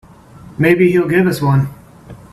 Maybe he'll give us one.